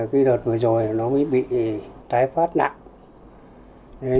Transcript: cái đợt vừa rồi nó mới bị tái phát nặng